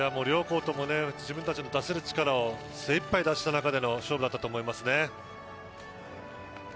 両校とも自分たちの出せる力を精一杯出した中での勝負だったと思います。